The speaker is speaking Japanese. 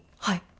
はい。